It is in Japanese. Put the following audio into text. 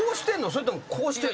それともこうしてんの？